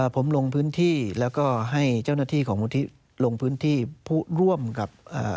ผมลงพื้นที่แล้วก็ให้เจ้าหน้าที่ของมูลที่ลงพื้นที่ผู้ร่วมกับ